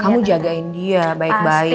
kamu jagain dia baik baik